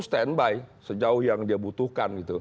standby sejauh yang dia butuhkan gitu